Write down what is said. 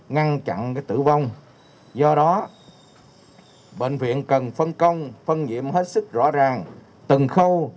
ngăn chặn tử vong do đó bệnh viện cần phân công phân nhiệm hết sức rõ ràng từng khâu